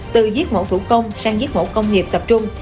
từ giết mổ thủ công sang giết mổ công nghiệp tập trung